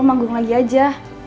lo manggung lagi aja